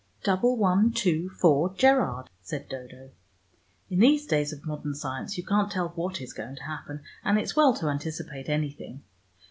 "Double one two four Gerrard," said Dodo. "In these days of modern science you can't tell what is going to happen, and it's well to anticipate anything.